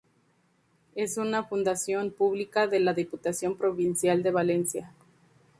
Es una fundación pública de la Diputación Provincial de Valencia.